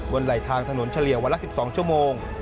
ไหลทางถนนเฉลี่ยวันละ๑๒ชั่วโมง